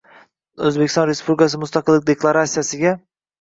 to'g'risida O'zbekiston Respublikasi Mustaqillik Deklaratsiyasiga